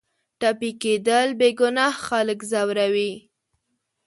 ټپي کېدل بېګناه خلک ځوروي.